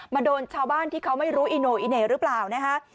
โดนชาวบ้านที่เขาไม่รู้อีโน่อีเหน่หรือเปล่านะฮะ